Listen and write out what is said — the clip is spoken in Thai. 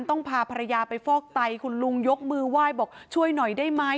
ต้องพาภรรยาไปฟอกไตคุณลุงยกมือไหว้บอกช่วยหน่อยได้ไหม